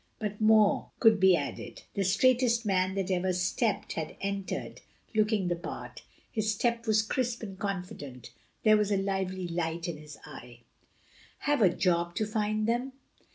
Before more could be added, "the straightest man that ever stepped" had entered, looking the part. His step was crisp and confident; there was a lively light in his eye. "Have a job to find them?"